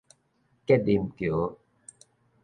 吉林橋